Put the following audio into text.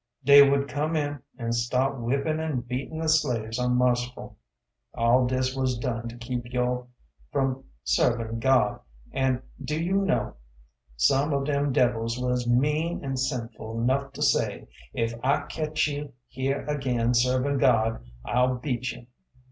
Dey would come in and start whippin' an' beatin' the slaves unmerciful. All dis wuz done to keep yo' from servin' God, an' do you know some of dem devils wuz mean an' sinful 'nough to say, "Ef I ketch you here agin servin' God I'll beat you.